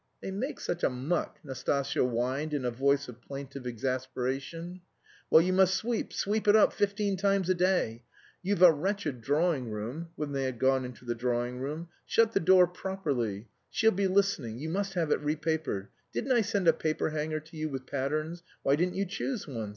"They make such a muck!" Nastasya whined in a voice of plaintive exasperation. "Well, you must sweep, sweep it up fifteen times a day! You've a wretched drawing room" (when they had gone into the drawing room). "Shut the door properly. She'll be listening. You must have it repapered. Didn't I send a paperhanger to you with patterns? Why didn't you choose one?